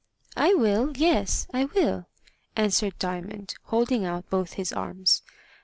"I will; yes, I will," answered Diamond, holding out both his arms.